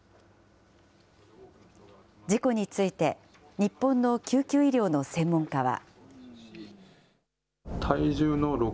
事故について、日本の救急医療の専門家は。